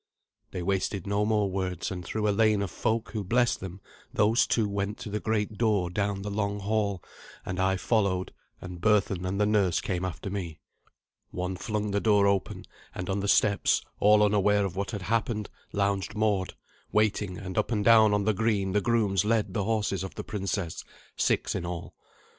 They wasted no more words; and through a lane of folk, who blessed them, those two went to the great door down the long hall, and I followed, and Berthun and the nurse came after me. One flung the door open; and on the steps, all unaware of what had happened, lounged Mord, waiting, and up and down on the green the grooms led the horses of the princess six in all.